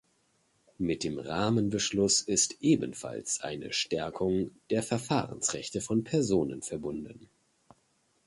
Mit dem Rahmenbeschluss ist ebenfalls eine Stärkung der Verfahrensrechte von Personen verbunden.